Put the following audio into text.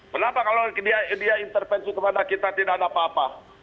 kenapa kalau dia intervensi kepada kita tidak ada apa apa